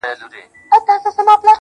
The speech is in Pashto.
ځوئ يې قاتل سره ولاړ وو په پلار ډزې کېدې